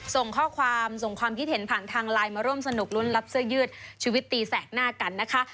ส่งข้อความส่งความคิดเห็นผ่านทางไลน์มาร่วมสนุกลุ้นรับเสื้อยืดชีวิตตีแสกหน้ากันนะคะ